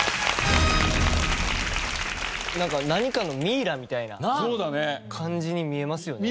なんか何かのミイラみたいな感じに見えますよね。